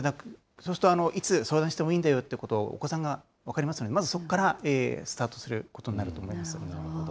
そうすると、いつ相談してもいいんだよっていうことをお子さんが分かりますので、まずそこからスなるほど。